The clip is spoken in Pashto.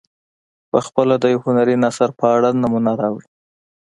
پخپله د یو هنري نثر په اړه نمونه راوړي.